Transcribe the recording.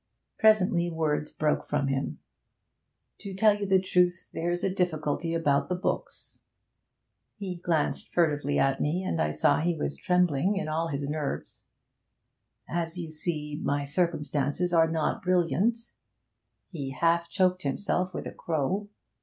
Presently words broke from him. 'To tell you the truth, there's a difficulty about the books.' He glanced furtively at me, and I saw he was trembling in all his nerves. 'As you see, my circumstances are not brilliant.' He half choked himself with a crow.